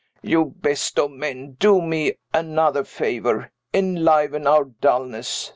"You best of men! Do me another favor. Enliven our dullness.